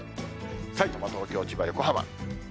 さいたま、東京、千葉、横浜。